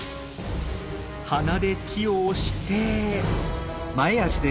鼻で木を押して。